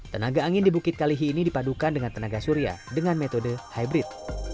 tenaga angin di bukit kali ini dipadukan dengan tenaga surya dengan metode hybrid